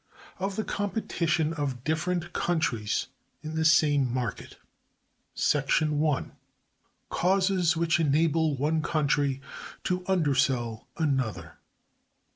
Of The Competition Of Different Countries In The Same Market. § 1. Causes which enable one Country to undersell another.